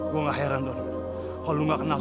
dan listrik bu rati dengan enak juga